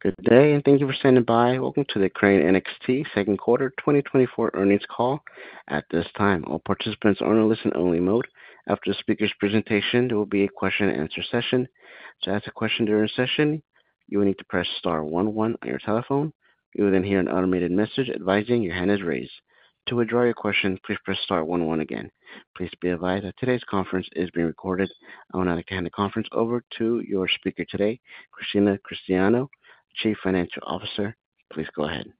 Good day, and thank you for standing by. Welcome to the Crane NXT second quarter 2024 earnings call. At this time, all participants are in a listen-only mode. After the speaker's presentation, there will be a question-and-answer session. To ask a question during the session, you will need to press star one one on your telephone. You will then hear an automated message advising your hand is raised. To withdraw your question, please press star one one again. Please be advised that today's conference is being recorded. I want to hand the conference over to your speaker today, Christina Cristiano, Chief Financial Officer. Please go ahead.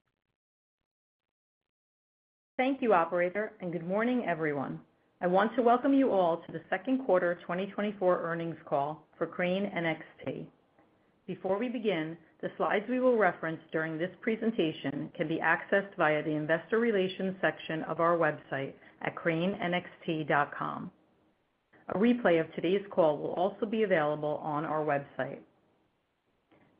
Thank you, operator, and good morning, everyone. I want to welcome you all to the second quarter 2024 earnings call for Crane NXT. Before we begin, the slides we will reference during this presentation can be accessed via the Investor Relations section of our website at cranenxt.com. A replay of today's call will also be available on our website.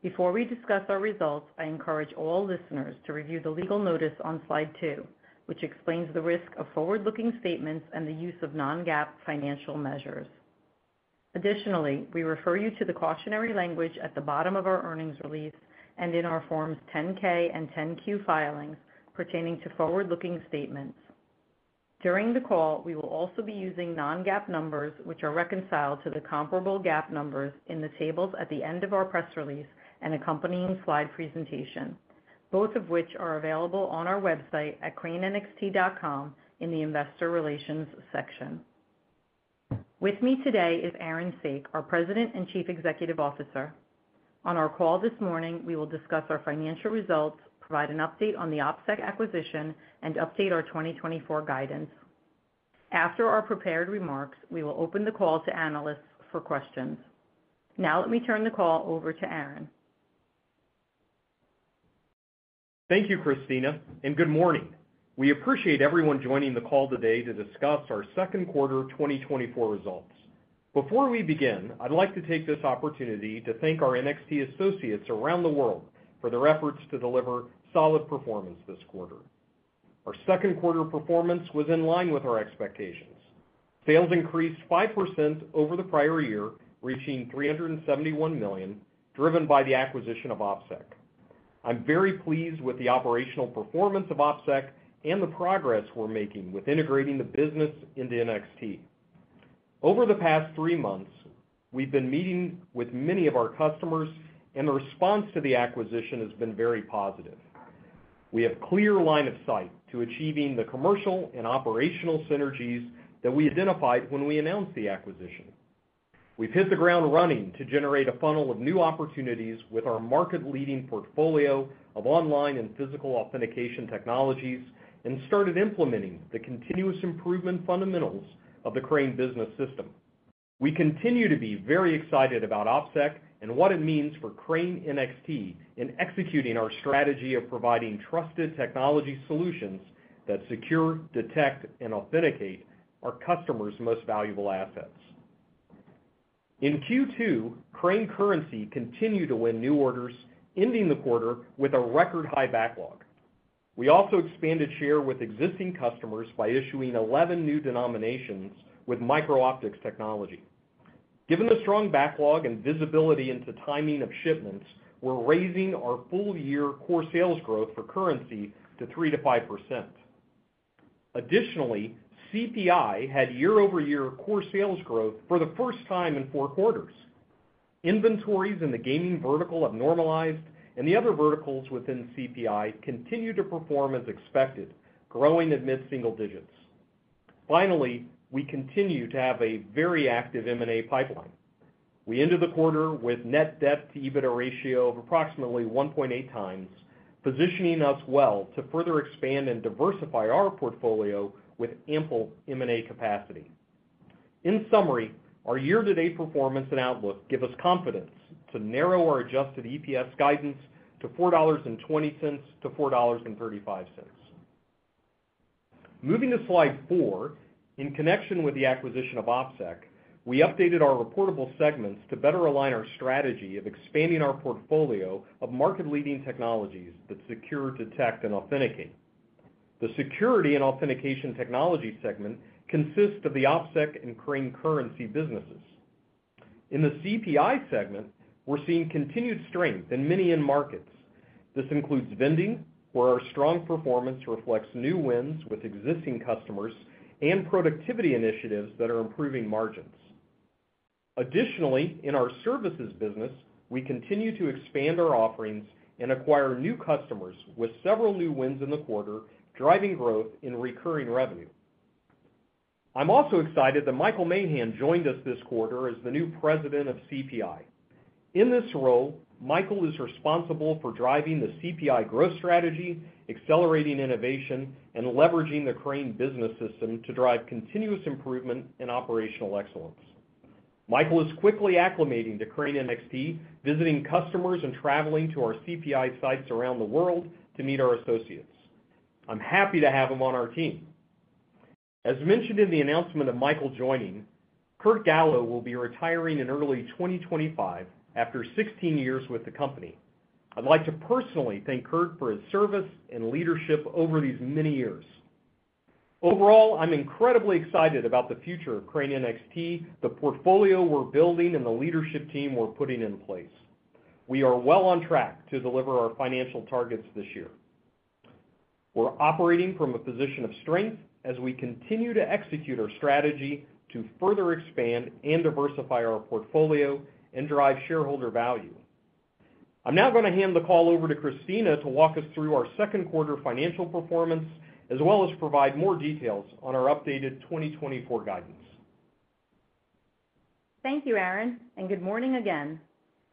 Before we discuss our results, I encourage all listeners to review the legal notice on slide two, which explains the risk of forward-looking statements and the use of non-GAAP financial measures. Additionally, we refer you to the cautionary language at the bottom of our earnings release and in our Forms 10-K and 10-Q filings pertaining to forward-looking statements. During the call, we will also be using non-GAAP numbers, which are reconciled to the comparable GAAP numbers in the tables at the end of our press release and accompanying slide presentation, both of which are available on our website at cranenxt.com in the Investor Relations section. With me today is Aaron Saak, our President and Chief Executive Officer. On our call this morning, we will discuss our financial results, provide an update on the OpSec acquisition, and update our 2024 guidance. After our prepared remarks, we will open the call to analysts for questions. Now let me turn the call over to Aaron. Thank you, Christina, and good morning. We appreciate everyone joining the call today to discuss our second quarter 2024 results. Before we begin, I'd like to take this opportunity to thank our NXT associates around the world for their efforts to deliver solid performance this quarter. Our second quarter performance was in line with our expectations. Sales increased 5% over the prior year, reaching $371 million, driven by the acquisition of OpSec. I'm very pleased with the operational performance of OpSec and the progress we're making with integrating the business into NXT. Over the past three months, we've been meeting with many of our customers, and the response to the acquisition has been very positive. We have clear line of sight to achieving the commercial and operational synergies that we identified when we announced the acquisition. We've hit the ground running to generate a funnel of new opportunities with our market-leading portfolio of online and physical authentication technologies and started implementing the continuous improvement fundamentals of the Crane Business System. We continue to be very excited about OpSec and what it means for Crane NXT in executing our strategy of providing trusted technology solutions that secure, detect, and authenticate our customers' most valuable assets. In Q2, Crane Currency continued to win new orders, ending the quarter with a record-high backlog. We also expanded share with existing customers by issuing 11 new denominations with micro-optics technology. Given the strong backlog and visibility into timing of shipments, we're raising our full-year core sales growth for currency to 3%-5%. Additionally, CPI had year-over-year core sales growth for the first time in four quarters. Inventories in the gaming vertical have normalized, and the other verticals within CPI continue to perform as expected, growing at mid-single digits. Finally, we continue to have a very active M&A pipeline. We ended the quarter with net debt to EBITDA ratio of approximately 1.8x, positioning us well to further expand and diversify our portfolio with ample M&A capacity. In summary, our year-to-date performance and outlook give us confidence to narrow our adjusted EPS guidance to $4.20-$4.35. Moving to slide four, in connection with the acquisition of OpSec, we updated our reportable segments to better align our strategy of expanding our portfolio of market-leading technologies that secure, detect, and authenticate. The security and authentication technology segment consists of the OpSec and Crane Currency businesses. In the CPI segment, we're seeing continued strength in many end markets. This includes vending, where our strong performance reflects new wins with existing customers and productivity initiatives that are improving margins. Additionally, in our services business, we continue to expand our offerings and acquire new customers with several new wins in the quarter, driving growth in recurring revenue. I'm also excited that Michael Mahan joined us this quarter as the new President of CPI. In this role, Michael is responsible for driving the CPI growth strategy, accelerating innovation, and leveraging the Crane Business System to drive continuous improvement and operational excellence. Michael is quickly acclimating to Crane NXT, visiting customers and traveling to our CPI sites around the world to meet our associates. I'm happy to have him on our team. As mentioned in the announcement of Michael joining, Kurt Gallo will be retiring in early 2025 after 16 years with the company. I'd like to personally thank Kurt for his service and leadership over these many years.... Overall, I'm incredibly excited about the future of Crane NXT, the portfolio we're building, and the leadership team we're putting in place. We are well on track to deliver our financial targets this year. We're operating from a position of strength as we continue to execute our strategy to further expand and diversify our portfolio and drive shareholder value. I'm now going to hand the call over to Christina to walk us through our second quarter financial performance, as well as provide more details on our updated 2024 guidance. Thank you, Aaron, and good morning again.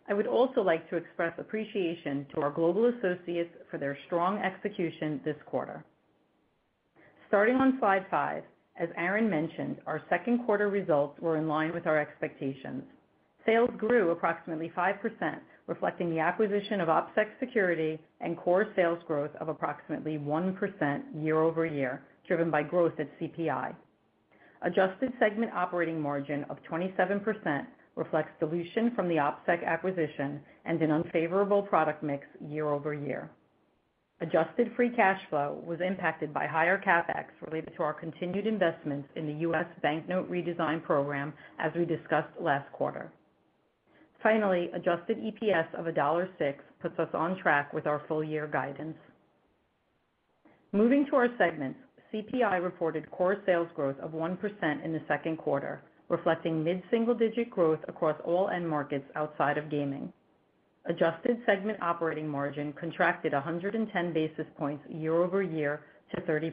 I would also like to express appreciation to our global associates for their strong execution this quarter. Starting on slide five, as Aaron mentioned, our second quarter results were in line with our expectations. Sales grew approximately 5%, reflecting the acquisition of OpSec Security and core sales growth of approximately 1% year-over-year, driven by growth at CPI. Adjusted segment operating margin of 27% reflects dilution from the OpSec acquisition and an unfavorable product mix year-over-year. Adjusted free cash flow was impacted by higher CapEx related to our continued investments in the U.S. Banknote Redesign Program, as we discussed last quarter. Finally, adjusted EPS of $1.06 puts us on track with our full year guidance. Moving to our segments, CPI reported core sales growth of 1% in the second quarter, reflecting mid-single-digit growth across all end markets outside of gaming. Adjusted segment operating margin contracted 110 basis points year-over-year to 30%,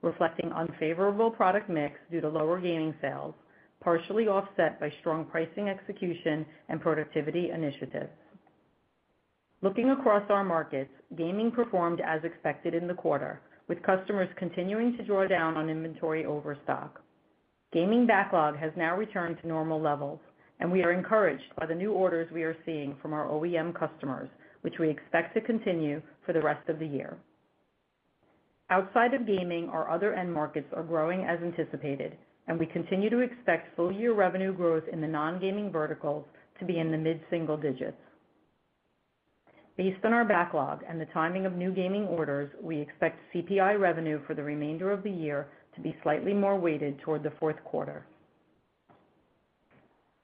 reflecting unfavorable product mix due to lower gaming sales, partially offset by strong pricing, execution, and productivity initiatives. Looking across our markets, gaming performed as expected in the quarter, with customers continuing to draw down on inventory overstock. Gaming backlog has now returned to normal levels, and we are encouraged by the new orders we are seeing from our OEM customers, which we expect to continue for the rest of the year. Outside of gaming, our other end markets are growing as anticipated, and we continue to expect full year revenue growth in the non-gaming verticals to be in the mid-single digits. Based on our backlog and the timing of new gaming orders, we expect CPI revenue for the remainder of the year to be slightly more weighted toward the fourth quarter.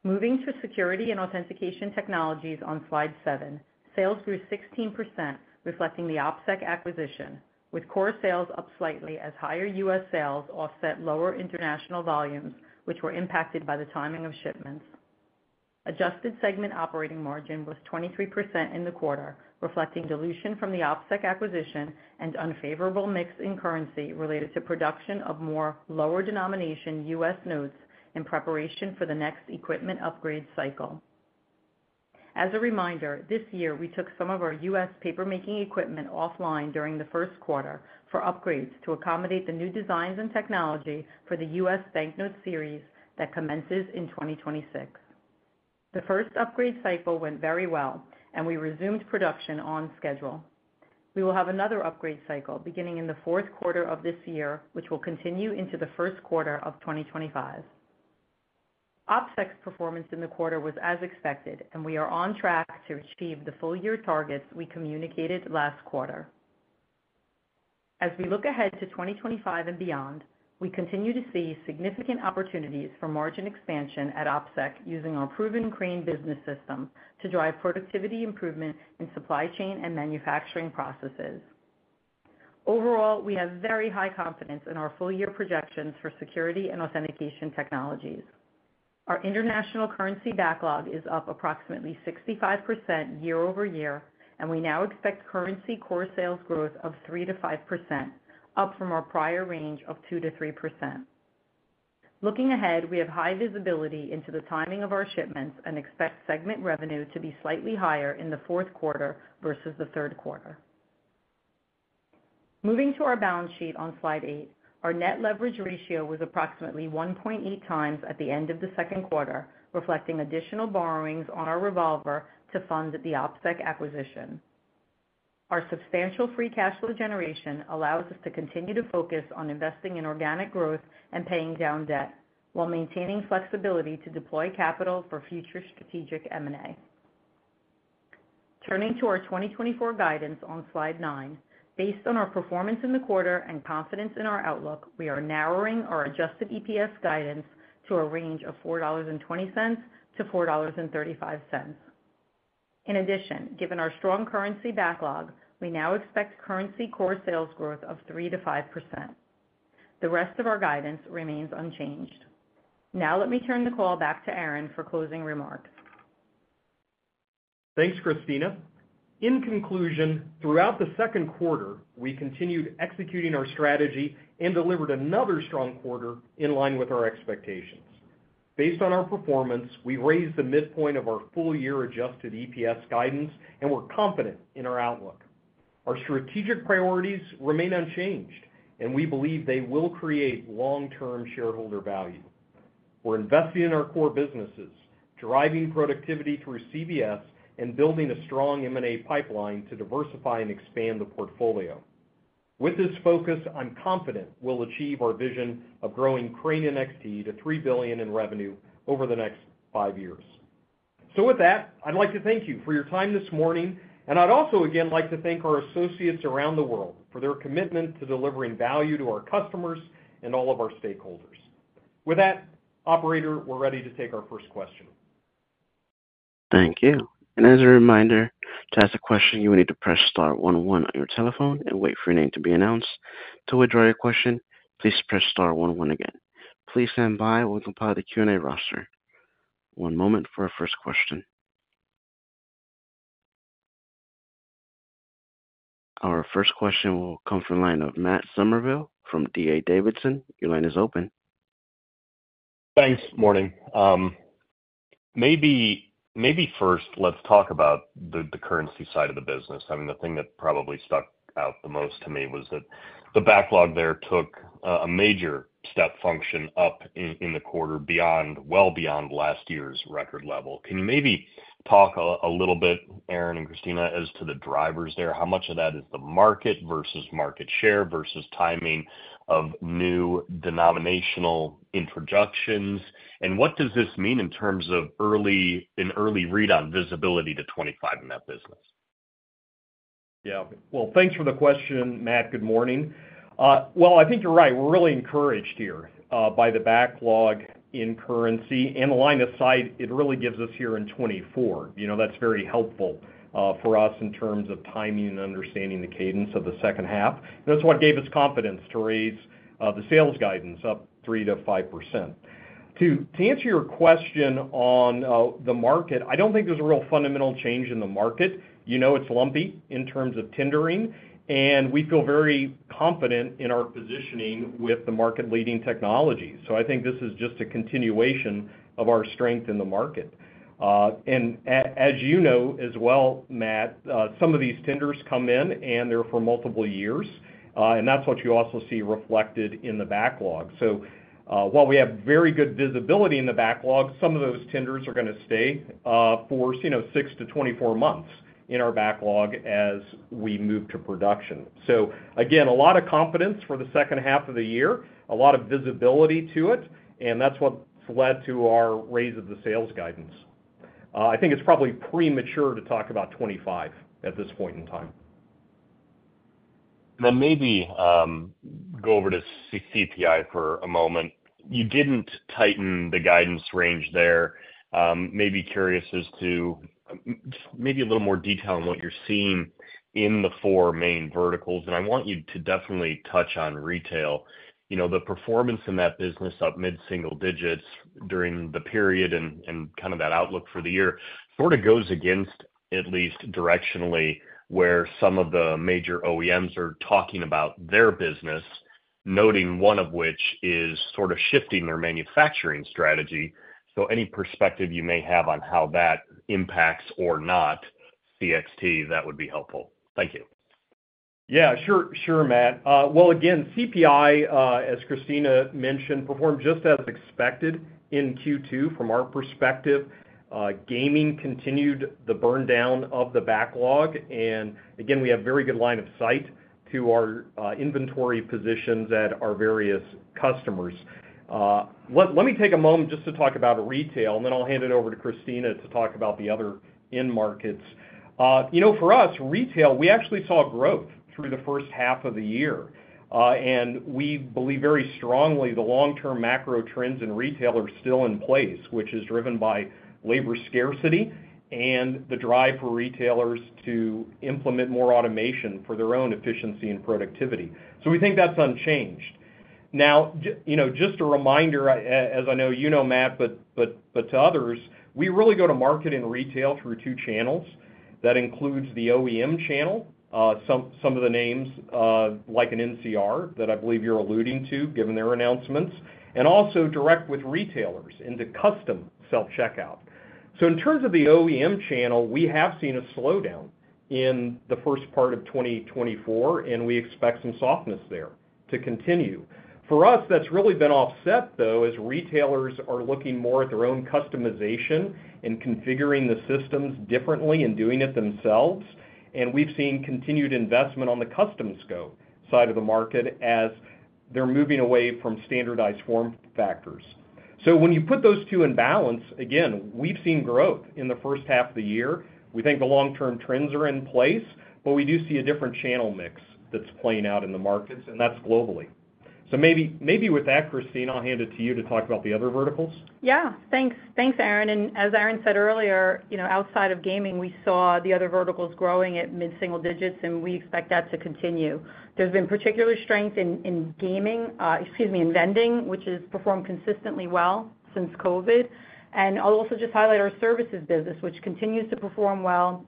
Moving to security and authentication technologies on slide seven, sales grew 16%, reflecting the OpSec acquisition, with core sales up slightly as higher U.S. sales offset lower international volumes, which were impacted by the timing of shipments. Adjusted segment operating margin was 23% in the quarter, reflecting dilution from the OpSec acquisition and unfavorable mix in currency related to production of more lower denomination U.S. notes in preparation for the next equipment upgrade cycle. As a reminder, this year, we took some of our U.S. papermaking equipment offline during the first quarter for upgrades to accommodate the new designs and technology for the U.S. banknote series that commences in 2026. The first upgrade cycle went very well, and we resumed production on schedule. We will have another upgrade cycle beginning in the fourth quarter of this year, which will continue into the first quarter of 2025. OpSec's performance in the quarter was as expected, and we are on track to achieve the full year targets we communicated last quarter. As we look ahead to 2025 and beyond, we continue to see significant opportunities for margin expansion at OpSec, using our proven Crane Business System to drive productivity improvement in supply chain and manufacturing processes. Overall, we have very high confidence in our full year projections for security and authentication technologies. Our international currency backlog is up approximately 65% year-over-year, and we now expect currency core sales growth of 3%-5%, up from our prior range of 2%-3%. Looking ahead, we have high visibility into the timing of our shipments and expect segment revenue to be slightly higher in the fourth quarter versus the third quarter. Moving to our balance sheet on slide eight, our net leverage ratio was approximately 1.8x at the end of the second quarter, reflecting additional borrowings on our revolver to fund the OpSec acquisition. Our substantial free cash flow generation allows us to continue to focus on investing in organic growth and paying down debt, while maintaining flexibility to deploy capital for future strategic M&A. Turning to our 2024 guidance on slide nine. Based on our performance in the quarter and confidence in our outlook, we are narrowing our adjusted EPS guidance to a range of $4.20-$4.35. In addition, given our strong currency backlog, we now expect currency core sales growth of 3%-5%. The rest of our guidance remains unchanged. Now, let me turn the call back to Aaron for closing remarks. Thanks, Christina. In conclusion, throughout the second quarter, we continued executing our strategy and delivered another strong quarter in line with our expectations. Based on our performance, we raised the midpoint of our full-year adjusted EPS guidance, and we're confident in our outlook. Our strategic priorities remain unchanged, and we believe they will create long-term shareholder value. We're investing in our core businesses, driving productivity through CBS, and building a strong M&A pipeline to diversify and expand the portfolio. With this focus, I'm confident we'll achieve our vision of growing Crane NXT to $3 billion in revenue over the next five years. So with that, I'd like to thank you for your time this morning, and I'd also again like to thank our associates around the world for their commitment to delivering value to our customers and all of our stakeholders. With that, operator, we're ready to take our first question. Thank you. As a reminder, to ask a question, you will need to press star one one on your telephone and wait for your name to be announced. To withdraw your question, please press star one one again. Please stand by while we compile the Q&A roster. One moment for our first question. Our first question will come from the line of Matt Summerville from D.A. Davidson. Your line is open. Thanks. Morning. Maybe, maybe first, let's talk about the currency side of the business. I mean, the thing that probably stuck out the most to me was that the backlog there took a major step function up in the quarter, well beyond last year's record level. Can you maybe talk a little bit, Aaron and Christina, as to the drivers there? How much of that is the market versus market share versus timing of new denominational introductions, and what does this mean in terms of an early read on visibility to 25 in that business? Yeah. Well, thanks for the question, Matt. Good morning. Well, I think you're right. We're really encouraged here by the backlog in currency, and the line of sight it really gives us here in 2024. You know, that's very helpful for us in terms of timing and understanding the cadence of the second half. That's what gave us confidence to raise the sales guidance up 3%-5%. To answer your question on the market, I don't think there's a real fundamental change in the market. You know, it's lumpy in terms of tendering, and we feel very confident in our positioning with the market-leading technology. So I think this is just a continuation of our strength in the market. As you know as well, Matt, some of these tenders come in, and they're for multiple years, and that's what you also see reflected in the backlog. So, while we have very good visibility in the backlog, some of those tenders are gonna stay, for, you know, 6-24 months in our backlog as we move to production. So again, a lot of confidence for the second half of the year, a lot of visibility to it, and that's what's led to our raise of the sales guidance. I think it's probably premature to talk about 2025 at this point in time. Then maybe, go over to CPI for a moment. You didn't tighten the guidance range there. Maybe curious as to, maybe a little more detail on what you're seeing in the four main verticals, and I want you to definitely touch on retail. You know, the performance in that business up mid-single digits during the period and, and kind of that outlook for the year, sort of goes against, at least directionally, where some of the major OEMs are talking about their business, noting one of which is sort of shifting their manufacturing strategy. So any perspective you may have on how that impacts or not Crane NXT, that would be helpful. Thank you. Yeah, sure, sure, Matt. Well, again, CPI, as Christina mentioned, performed just as expected in Q2 from our perspective. Gaming continued the burn down of the backlog, and again, we have very good line of sight to our inventory positions at our various customers. Let me take a moment just to talk about retail, and then I'll hand it over to Christina to talk about the other end markets. You know, for us, retail, we actually saw growth through the first half of the year, and we believe very strongly the long-term macro trends in retail are still in place, which is driven by labor scarcity and the drive for retailers to implement more automation for their own efficiency and productivity. So we think that's unchanged. Now, you know, just a reminder, as I know you know, Matt, but to others, we really go to market in retail through two channels. That includes the OEM channel, some of the names, like an NCR, that I believe you're alluding to, given their announcements, and also direct with retailers into custom self-checkout. So in terms of the OEM channel, we have seen a slowdown in the first part of 2024, and we expect some softness there to continue. For us, that's really been offset, though, as retailers are looking more at their own customization and configuring the systems differently and doing it themselves. And we've seen continued investment on the custom scope side of the market as they're moving away from standardized form factors. So when you put those two in balance, again, we've seen growth in the first half of the year. We think the long-term trends are in place, but we do see a different channel mix that's playing out in the markets, and that's globally. So maybe, maybe with that, Christina, I'll hand it to you to talk about the other verticals. Yeah. Thanks. Thanks, Aaron, and as Aaron said earlier, you know, outside of gaming, we saw the other verticals growing at mid-single digits, and we expect that to continue. There's been particular strength in, in gaming, excuse me, in vending, which has performed consistently well since COVID. And I'll also just highlight our services business, which continues to perform well,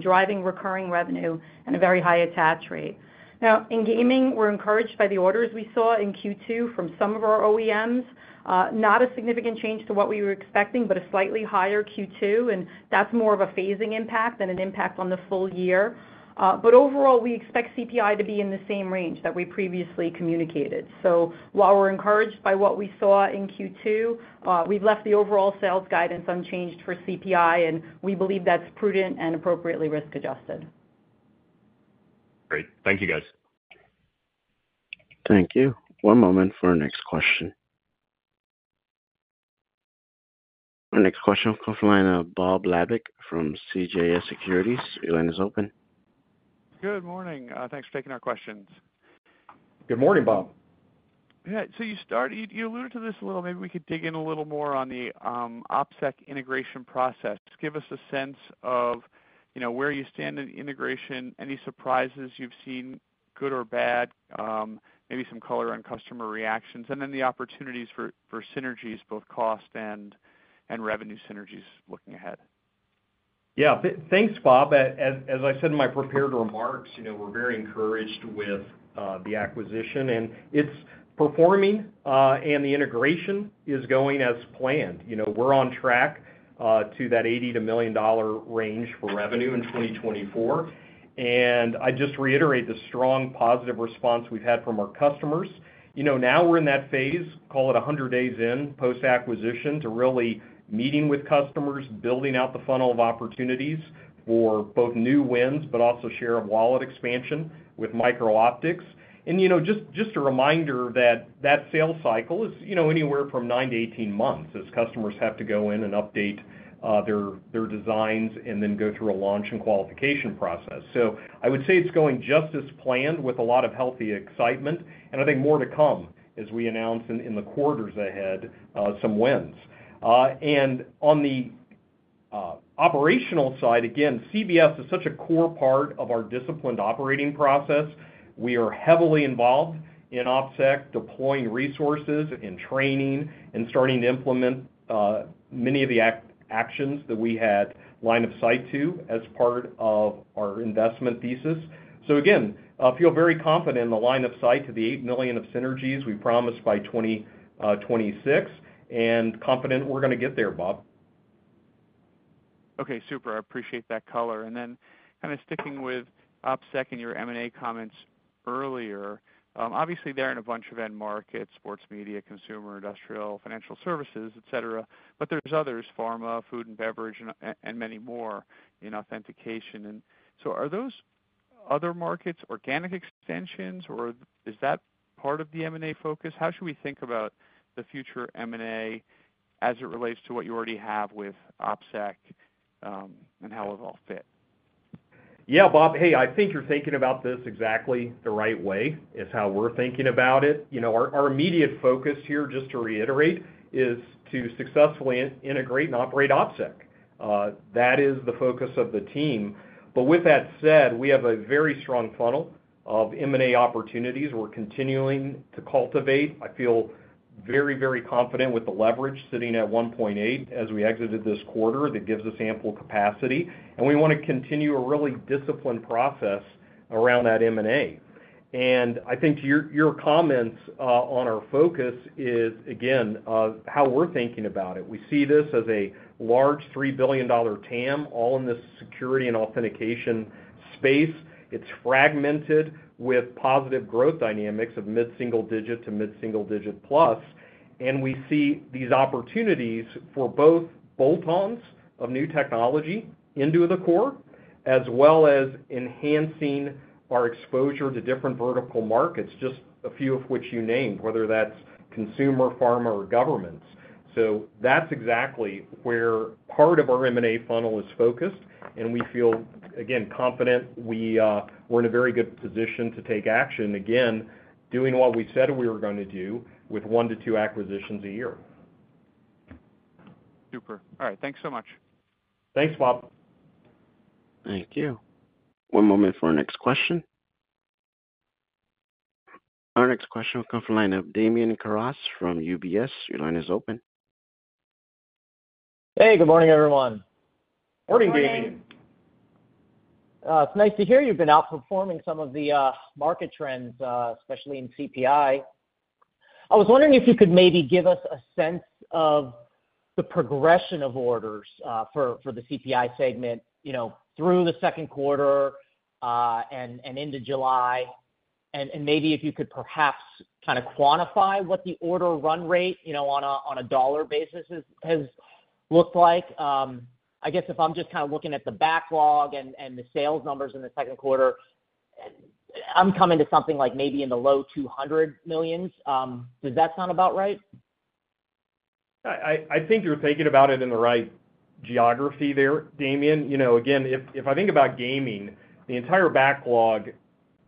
driving recurring revenue and a very high attach rate. Now, in gaming, we're encouraged by the orders we saw in Q2 from some of our OEMs. Not a significant change to what we were expecting, but a slightly higher Q2, and that's more of a phasing impact than an impact on the full year. But overall, we expect CPI to be in the same range that we previously communicated. So while we're encouraged by what we saw in Q2, we've left the overall sales guidance unchanged for CPI, and we believe that's prudent and appropriately risk-adjusted. Great. Thank you, guys. Thank you. One moment for our next question. Our next question will come from the line of Bob Labik from CJS Securities. Your line is open. Good morning. Thanks for taking our questions. Good morning, Bob. Yeah, so you alluded to this a little, maybe we could dig in a little more on the OpSec integration process. Give us a sense of, you know, where you stand in the integration, any surprises you've seen, good or bad, maybe some color on customer reactions, and then the opportunities for synergies, both cost and revenue synergies looking ahead. Yeah, thanks, Bob. As I said in my prepared remarks, you know, we're very encouraged with the acquisition, and it's performing, and the integration is going as planned. You know, we're on track to that $80 million-$100 million range for revenue in 2024. I just reiterate the strong positive response we've had from our customers. You know, now we're in that phase, call it 100 days in, post-acquisition, to really meeting with customers, building out the funnel of opportunities for both new wins, but also share of wallet expansion with micro-optics. You know, just a reminder that sales cycle is, you know, anywhere from 9-18 months as customers have to go in and update their designs and then go through a launch and qualification process. So I would say it's going just as planned with a lot of healthy excitement, and I think more to come as we announce in the quarters ahead, some wins. And on the operational side, again, CBS is such a core part of our disciplined operating process. We are heavily involved in OpSec, deploying resources and training and starting to implement many of the actions that we had line of sight to as part of our investment thesis. So again, I feel very confident in the line of sight to the $8 million of synergies we promised by 2026, and confident we're gonna get there, Bob. Okay, super. I appreciate that color. And then kind of sticking with OpSec and your M&A comments earlier. Obviously, they're in a bunch of end markets, sports, media, consumer, industrial, financial services, et cetera, but there's others, pharma, food and beverage, and and many more in authentication. And so are those other markets organic extensions, or is that part of the M&A focus? How should we think about the future M&A as it relates to what you already have with OpSec, and how it all fit? Yeah, Bob, hey, I think you're thinking about this exactly the right way, is how we're thinking about it. You know, our immediate focus here, just to reiterate, is to successfully integrate and operate OpSec. That is the focus of the team. But with that said, we have a very strong funnel of M&A opportunities we're continuing to cultivate. I feel very, very confident with the leverage sitting at 1.8 as we exited this quarter. That gives us ample capacity, and we want to continue a really disciplined process around that M&A. And I think to your comments, on our focus is, again, how we're thinking about it. We see this as a large $3 billion TAM, all in this security and authentication space. It's fragmented with positive growth dynamics of mid-single digit to mid-single digit plus. We see these opportunities for both bolt-ons of new technology into the core, as well as enhancing our exposure to different vertical markets, just a few of which you named, whether that's consumer, pharma or governments. That's exactly where part of our M&A funnel is focused, and we feel, again, confident we, we're in a very good position to take action, again, doing what we said we were going to do with one to two acquisitions a year. Super. All right. Thanks so much. Thanks, Bob. Thank you. One moment for our next question. Our next question will come from the line of Damian Karas from UBS. Your line is open. Hey, good morning, everyone. Morning, Damian. Good morning. It's nice to hear you've been outperforming some of the market trends, especially in CPI. I was wondering if you could maybe give us a sense of the progression of orders for the CPI segment, you know, through the second quarter and into July. And maybe if you could perhaps kind of quantify what the order run rate, you know, on a dollar basis is- has looked like. I guess if I'm just kind of looking at the backlog and the sales numbers in the second quarter, I'm coming to something like maybe in the low $200 million. Does that sound about right? I think you're thinking about it in the right geography there, Damian. You know, again, if I think about gaming, the entire backlog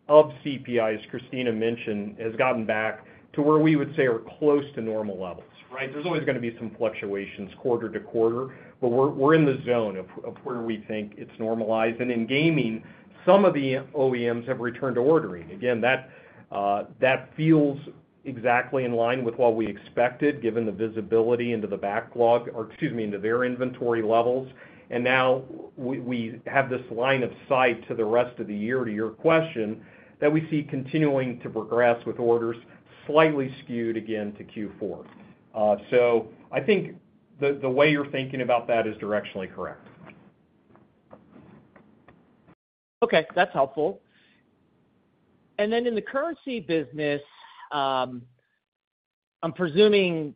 of CPI, as Christina mentioned, has gotten back to where we would say are close to normal levels, right? There's always gonna be some fluctuations quarter to quarter, but we're in the zone of where we think it's normalized. And in gaming, some of the OEMs have returned to ordering. Again, that that feels exactly in line with what we expected, given the visibility into the backlog or, excuse me, into their inventory levels. And now we have this line of sight to the rest of the year, to your question, that we see continuing to progress with orders slightly skewed again to Q4. So I think the way you're thinking about that is directionally correct. Okay, that's helpful. And then in the currency business, I'm presuming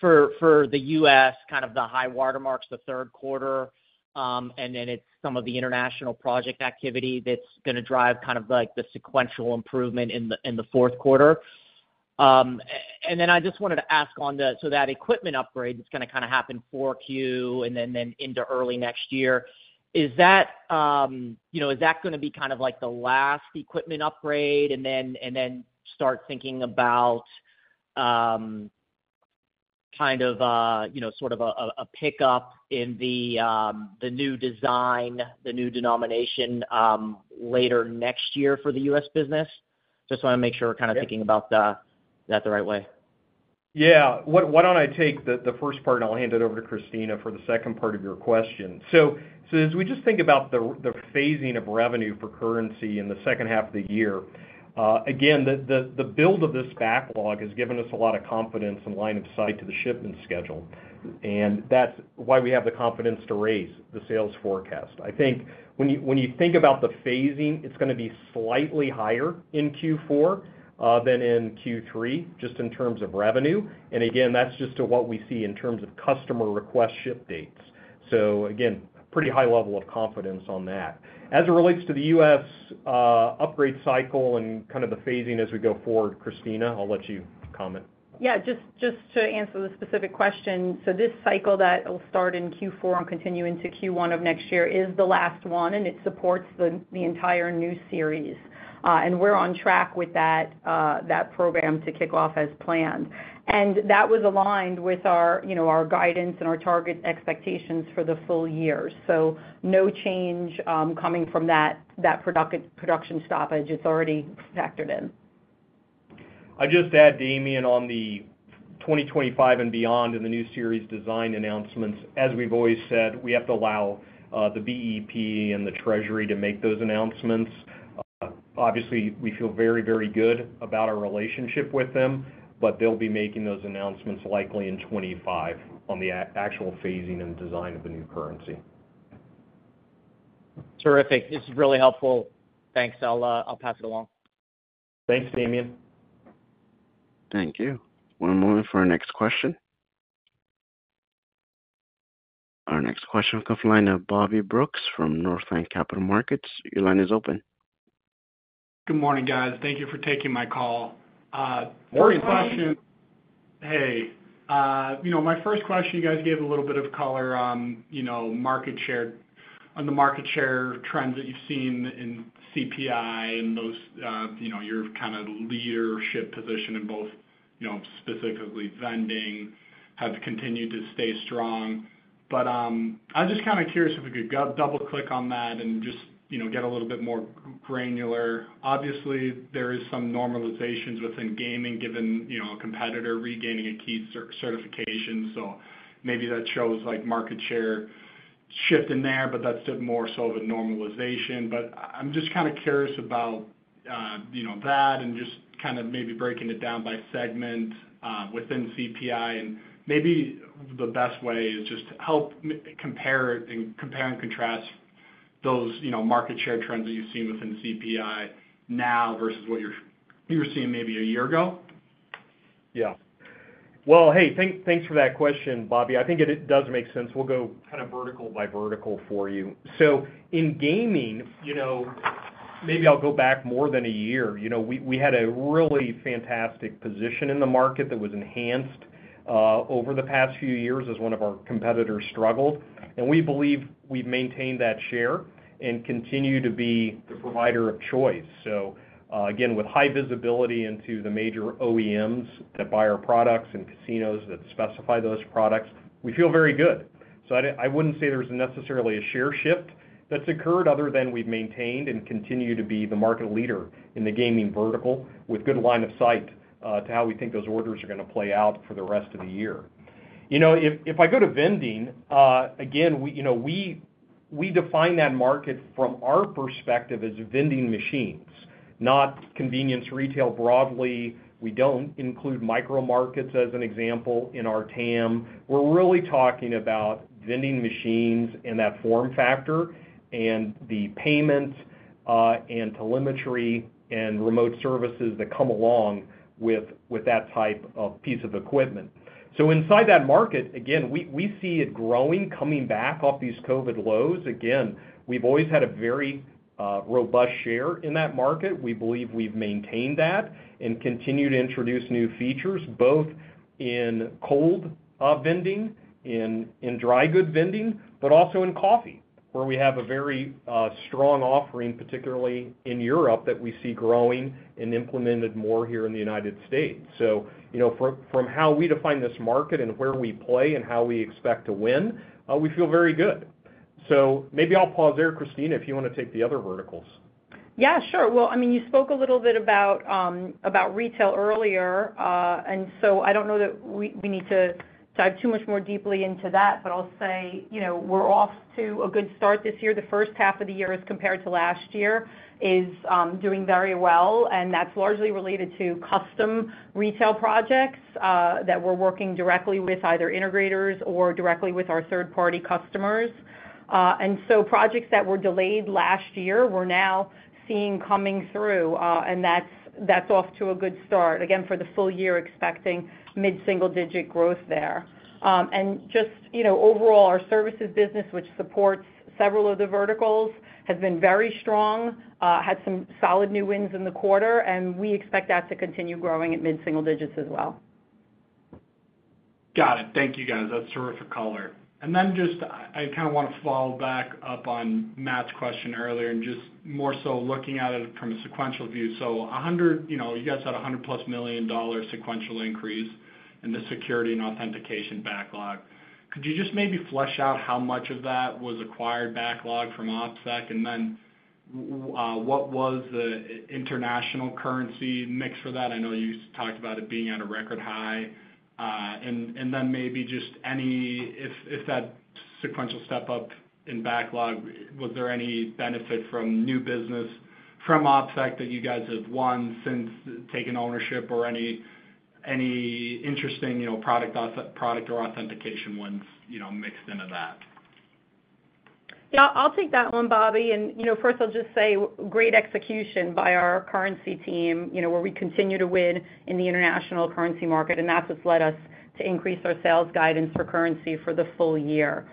for the U.S., kind of the high water marks, the third quarter, and then it's some of the international project activity that's gonna drive kind of like the sequential improvement in the fourth quarter. And then I just wanted to ask on the so that equipment upgrade that's gonna kinda happen Q4, and then into early next year, is that, you know, is that gonna be kind of like the last equipment upgrade, and then start thinking about, kind of, you know, sort of a pickup in the new design, the new denomination, later next year for the U.S. business? Just wanna make sure we're kind of thinking about that the right way. Yeah. Why don't I take the first part, and I'll hand it over to Christina for the second part of your question. So as we just think about the phasing of revenue for currency in the second half of the year, again, the build of this backlog has given us a lot of confidence and line of sight to the shipment schedule, and that's why we have the confidence to raise the sales forecast. I think when you think about the phasing, it's gonna be slightly higher in Q4 than in Q3, just in terms of revenue. And again, that's just to what we see in terms of customer request ship dates. So again, pretty high level of confidence on that. As it relates to the U.S., upgrade cycle and kind of the phasing as we go forward, Christina, I'll let you comment. Yeah, just to answer the specific question. So this cycle that will start in Q4 and continue into Q1 of next year is the last one, and it supports the entire new series. And we're on track with that program to kick off as planned. And that was aligned with our, you know, our guidance and our target expectations for the full year. So no change coming from that production stoppage. It's already factored in. I'd just add, Damian, on the 2025 and beyond in the new series design announcements, as we've always said, we have to allow the BEP and the Treasury to make those announcements. Obviously, we feel very, very good about our relationship with them, but they'll be making those announcements likely in 2025 on the actual phasing and design of the new currency. Terrific. This is really helpful. Thanks. I'll, I'll pass it along. Thanks, Damian. Thank you. One moment for our next question. Our next question comes from the line of Bobby Brooks from Northland Capital Markets. Your line is open. Good morning, guys. Thank you for taking my call. Morning. Hey, you know, my first question, you guys gave a little bit of color on, you know, market share, on the market share trends that you've seen in CPI and those, you know, your kind of leadership position in both, you know, specifically vending, have continued to stay strong. But, I'm just kind of curious if we could double-click on that and just, you know, get a little bit more granular. Obviously, there is some normalizations within gaming, given, you know, a competitor regaining a key certification. So maybe that shows, like, market share shift in there, but that's more so of a normalization. But I'm just kind of curious about, you know, that and just kind of maybe breaking it down by segment, within CPI. Maybe the best way is just to help compare it and compare and contrast those, you know, market share trends that you've seen within CPI now versus what you're, you were seeing maybe a year ago. Yeah. Well, hey, thanks, thanks for that question, Bobby. I think it does make sense. We'll go kind of vertical by vertical for you. So in gaming, you know, maybe I'll go back more than a year. You know, we had a really fantastic position in the market that was enhanced over the past few years as one of our competitors struggled, and we believe we've maintained that share and continue to be the provider of choice. So, again, with high visibility into the major OEMs that buy our products and casinos that specify those products, we feel very good. So I wouldn't say there's necessarily a share shift that's occurred other than we've maintained and continue to be the market leader in the gaming vertical with good line of sight to how we think those orders are gonna play out for the rest of the year. You know, if I go to vending, again, we, you know, we define that market from our perspective as vending machines, not convenience retail broadly. We don't include micro markets, as an example, in our TAM. We're really talking about vending machines and that form factor and the payments and telemetry and remote services that come along with that type of piece of equipment. So inside that market, again, we see it growing, coming back off these COVID lows. Again, we've always had a very robust share in that market. We believe we've maintained that and continue to introduce new features, both in cold vending, in dry good vending, but also in coffee, where we have a very strong offering, particularly in Europe, that we see growing and implemented more here in the United States. So, you know, from how we define this market and where we play and how we expect to win, we feel very good. So maybe I'll pause there, Christina, if you wanna take the other verticals. Yeah, sure. Well, I mean, you spoke a little bit about retail earlier, and so I don't know that we need to dive too much more deeply into that, but I'll say, you know, we're also off to a good start this year. The first half of the year, as compared to last year, is doing very well, and that's largely related to custom retail projects that we're working directly with either integrators or directly with our third-party customers. And so projects that were delayed last year, we're now seeing coming through, and that's off to a good start. Again, for the full year, expecting mid-single-digit growth there. And just, you know, overall, our services business, which supports several of the verticals, has been very strong, had some solid new wins in the quarter, and we expect that to continue growing at mid-single digits as well. Got it. Thank you, guys. That's terrific color. And then just I kind of want to follow back up on Matt's question earlier and just more so looking at it from a sequential view. So 100, you know, you guys had a $100+ million sequential increase in the security and authentication backlog. Could you just maybe flesh out how much of that was acquired backlog from OpSec? And then what was the international currency mix for that? I know you talked about it being at a record high. And then maybe just any if that sequential step-up in backlog was there any benefit from new business from OpSec that you guys have won since taking ownership or any interesting, you know, product or authentication wins, you know, mixed into that? Yeah, I'll take that one, Bobby. And, you know, first, I'll just say great execution by our currency team, you know, where we continue to win in the international currency market, and that's what's led us to increase our sales guidance for currency for the full year.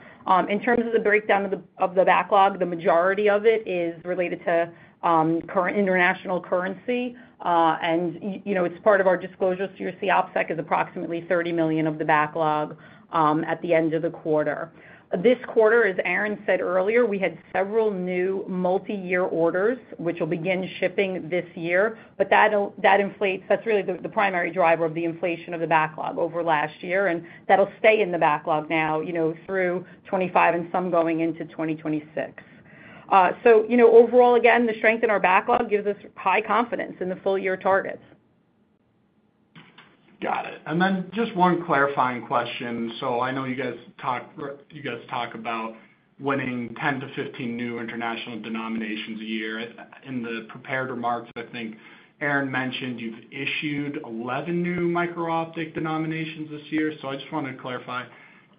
In terms of the breakdown of the, of the backlog, the majority of it is related to current international currency. And you know, it's part of our disclosure. So you see OpSec is approximately $30 million of the backlog at the end of the quarter. This quarter, as Aaron said earlier, we had several new multiyear orders, which will begin shipping this year. But that'll, that inflates, that's really the primary driver of the inflation of the backlog over last year, and that'll stay in the backlog now, you know, through 2025 and some going into 2026. So you know, overall, again, the strength in our backlog gives us high confidence in the full-year targets. Got it. And then just one clarifying question. So I know you guys talked you guys talk about winning 10-15 new international denominations a year. In the prepared remarks, I think Aaron mentioned you've issued 11 new micro-optics denominations this year. So I just wanted to clarify: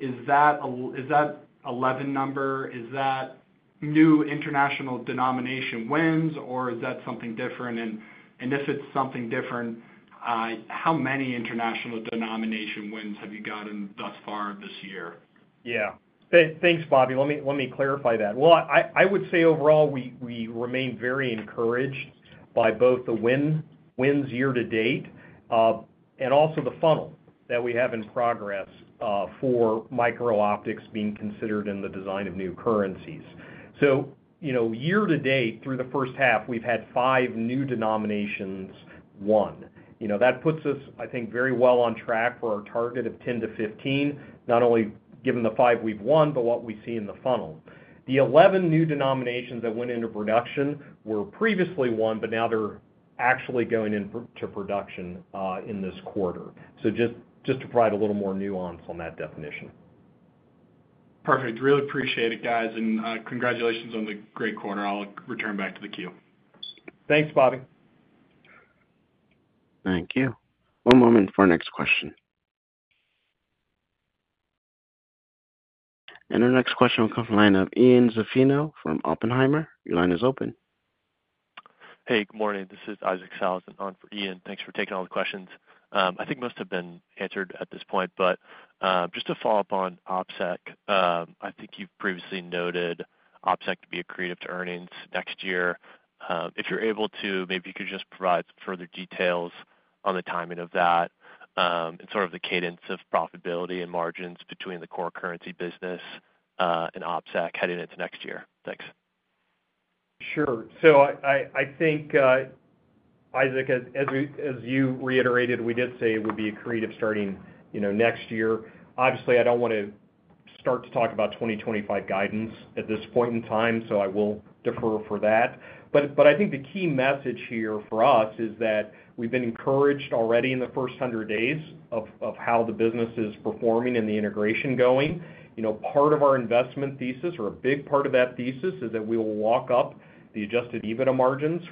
Is that is that 11 number, is that new international denomination wins, or is that something different? And if it's something different, how many international denomination wins have you gotten thus far this year? Yeah. Thanks, Bobby. Let me clarify that. Well, I would say overall, we remain very encouraged by both the wins year to date, and also the funnel that we have in progress, for micro-optics being considered in the design of new currencies. So you know, year to date, through the first half, we've had 5 new denominations won. You know, that puts us, I think, very well on track for our target of 10-15, not only given the 5 we've won, but what we see in the funnel. The 11 new denominations that went into production were previously won, but now they're actually going into production, in this quarter. So just to provide a little more nuance on that definition. Perfect. Really appreciate it, guys. And, congratulations on the great quarter. I'll return back to the queue. Thanks, Bobby. Thank you. One moment for our next question. Our next question will come from the line of Ian Zaffino from Oppenheimer. Your line is open. Hey, good morning. This is Isaac Sellhausen on for Ian. Thanks for taking all the questions. I think most have been answered at this point, but just to follow up on OpSec, I think you've previously noted OpSec to be accretive to earnings next year. If you're able to, maybe you could just provide further details on the timing of that, and sort of the cadence of profitability and margins between the core currency business, and OpSec heading into next year. Thanks. Sure. So I think, Isaac, as you reiterated, we did say it would be accretive starting, you know, next year. Obviously, I don't want to start to talk about 2025 guidance at this point in time, so I will defer for that. But I think the key message here for us is that we've been encouraged already in the first 100 days of how the business is performing and the integration going. You know, part of our investment thesis or a big part of that thesis is that we will walk up the adjusted EBITDA margins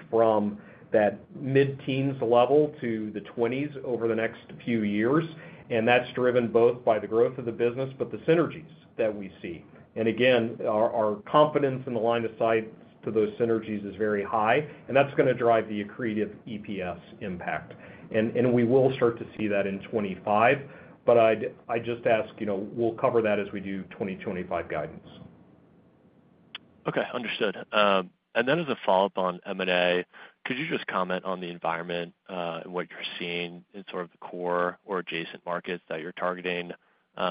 from that mid-teens level to the twenties over the next few years, and that's driven both by the growth of the business, but the synergies that we see. And again, our confidence in the line of sight to those synergies is very high, and that's gonna drive the accretive EPS impact. And we will start to see that in 2025, but I'd just ask, you know, we'll cover that as we do 2025 guidance. Okay, understood. And then as a follow-up on M&A, could you just comment on the environment, and what you're seeing in sort of the core or adjacent markets that you're targeting,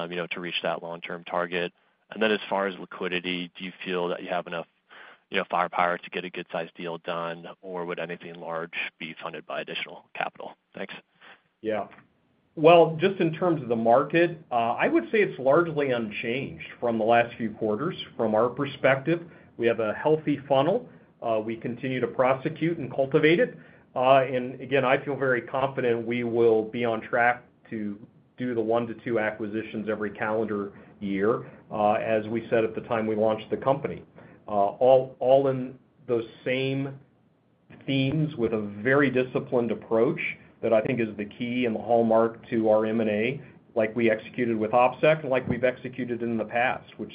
you know, to reach that long-term target? And then as far as liquidity, do you feel that you have enough, you know, firepower to get a good-sized deal done, or would anything large be funded by additional capital? Thanks. Yeah. Well, just in terms of the market, I would say it's largely unchanged from the last few quarters. From our perspective, we have a healthy funnel. We continue to prosecute and cultivate it. And again, I feel very confident we will be on track to do the 1-2 acquisitions every calendar year, as we said at the time we launched the company. All, all in those same themes with a very disciplined approach that I think is the key and the hallmark to our M&A, like we executed with OpSec, and like we've executed in the past, which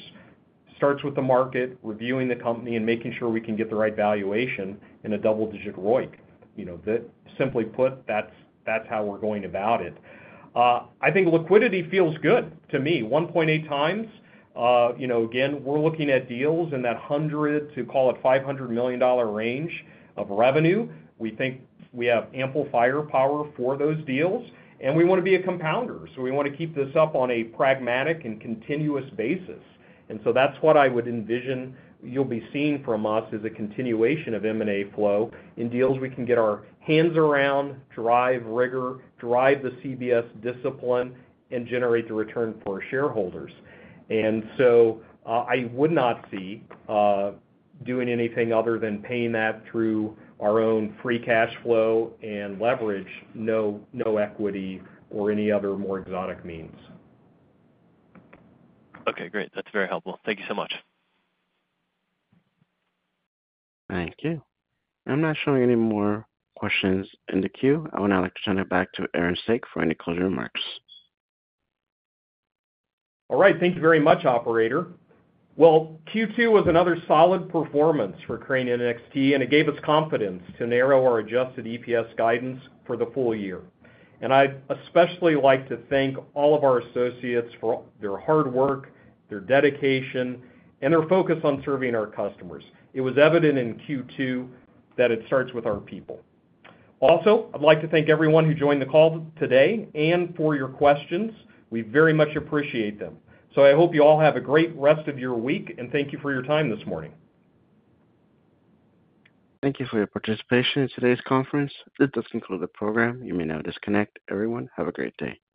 starts with the market, reviewing the company, and making sure we can get the right valuation in a double-digit ROIC. You know, that simply put, that's how we're going about it. I think liquidity feels good to me, 1.8x. You know, again, we're looking at deals in that $100- to call it $500 million range of revenue. We think we have ample firepower for those deals, and we want to be a compounder, so we want to keep this up on a pragmatic and continuous basis. And so that's what I would envision you'll be seeing from us, is a continuation of M&A flow in deals we can get our hands around, drive rigor, drive the CBS discipline, and generate the return for our shareholders. And so, I would not see doing anything other than paying that through our own free cash flow and leverage, no, no equity or any other more exotic means. Okay, great. That's very helpful. Thank you so much. Thank you. I'm not showing any more questions in the queue. I would now like to turn it back to Aaron Saak for any closing remarks. All right. Thank you very much, operator. Well, Q2 was another solid performance for Crane NXT, and it gave us confidence to narrow our Adjusted EPS guidance for the full year. I'd especially like to thank all of our associates for their hard work, their dedication, and their focus on serving our customers. It was evident in Q2 that it starts with our people. Also, I'd like to thank everyone who joined the call today and for your questions. We very much appreciate them. I hope you all have a great rest of your week, and thank you for your time this morning. Thank you for your participation in today's conference. This does conclude the program. You may now disconnect. Everyone, have a great day.